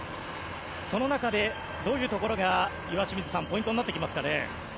その中で、どういうところがポイントになってきますかね。